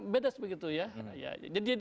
beda seperti itu ya